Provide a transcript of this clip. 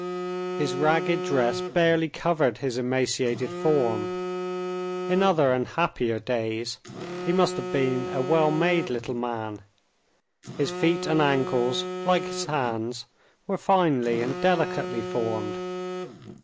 His ragged dress barely covered his emaciated form. In other and happier days, he must have been a well made little man; his feet and ankles, like his hands, were finely and delicately formed.